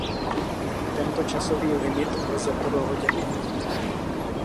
Tento časový limit lze po dohodě měnit.